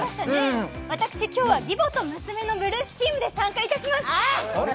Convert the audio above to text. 私、今日は「義母と娘のブルース」チームで参加いたします。